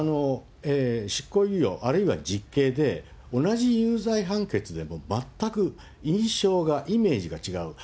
執行猶予、あるいは実刑で、同じ有罪判決でも、全く印象が、イメージが違う。